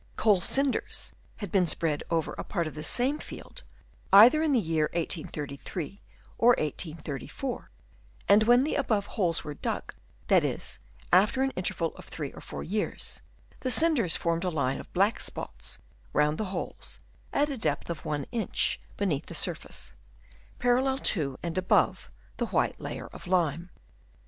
Coal cinders had been spread over a part of this same field either in the year 1833 or 1834; and when the above holes were dug, that is after an interval of 3 or 4 years, the cinders formed a line of black spots round the holes, at a depth of 1 inch beneath the surface, parallel to and above the white layer of lime.